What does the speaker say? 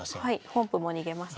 本譜も逃げますね。